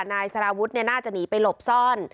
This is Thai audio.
นายสารวุฒิน่าจะหนีไปหลบซ่อน